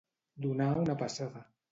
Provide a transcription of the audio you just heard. Donar una passada.